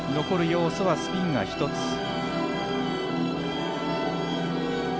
残る要素はスピンが１つ。